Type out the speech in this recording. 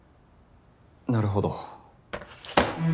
なるほど。